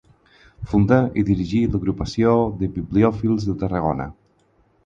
Fundà i dirigí l'Agrupació de Bibliòfils de Tarragona.